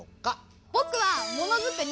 ぼくはもの作り